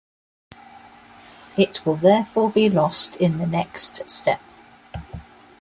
It will therefore be lost in the next step.